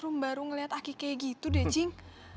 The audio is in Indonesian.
rum baru ngelihat aki kayak gitu deh cing